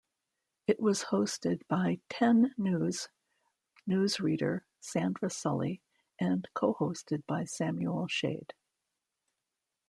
It was hosted by Ten News newsreader Sandra Sully and co-hosted by Samuel Shaed.